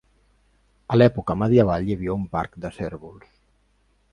A l'època medieval hi havia un parc de cérvols.